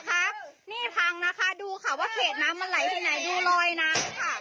ครับนี่พังนะคะดูค่ะว่าเขตน้ำมันไหลที่ไหนดูลอยน้ำค่ะ